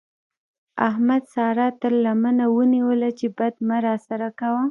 احمد سارا تر لمنه ونيوله چې بد مه راسره کوه.